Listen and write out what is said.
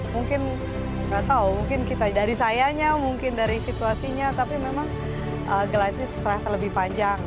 mungkin nggak tahu mungkin kita dari sayanya mungkin dari situasinya tapi memang glightnya terasa lebih panjang